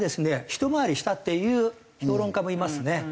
一回りしたっていう評論家もいますね。